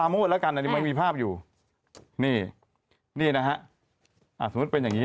ไม่ได้อีกเห้ยอยู่ไหนวะนี่